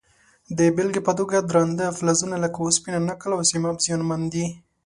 د بیلګې په توګه درانده فلزونه لکه وسپنه، نکل او سیماب زیانمن دي.